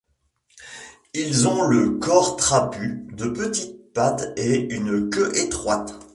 Ils ont le corps trapu, de petites pattes et une queue étroite.